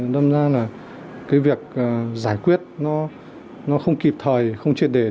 năm ra là cái việc giải quyết nó không kịp thời không truyệt để